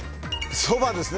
そばですね。